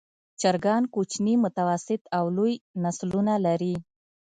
چرګان کوچني، متوسط او لوی نسلونه لري.